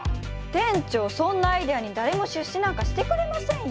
店長そんなアイデアに誰も出資なんかしてくれませんよ！